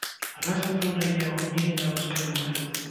Разам выбралі яго кнігі на рускай мове.